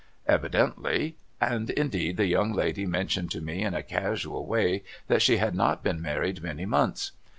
Evidently. And indeed the young lady mentioned to me in a casual way that she had not been married many months.'